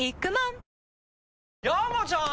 山ちゃん！